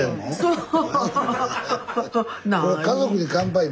そう。